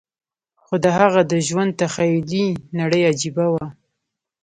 خو د هغه د ژوند تخيلي نړۍ عجيبه وه.